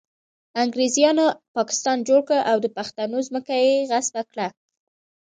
انګریزانو پاکستان جوړ کړ او د پښتنو ځمکه یې غصب کړه